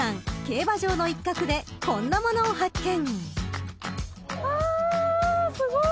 競馬場の一角でこんなものを発見］